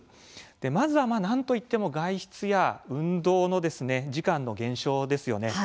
まずは、なんといっても外出や運動時間の減少です。